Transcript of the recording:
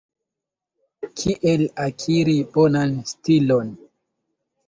Kiel akiri bonan stilon?